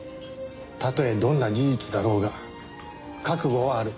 たとえどんな事実だろうが覚悟はある。